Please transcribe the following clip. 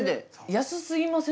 安すぎません？